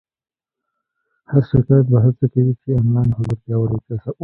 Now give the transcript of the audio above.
هر شرکت به هڅه کوي چې آنلاین حضور پیاوړی وساتي.